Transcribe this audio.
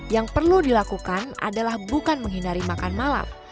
yang perlu dilakukan adalah bukan menghindari makan malam